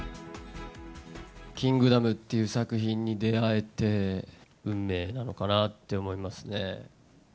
キングダムっていう作品に出会えて、運命なのかなって思いますね。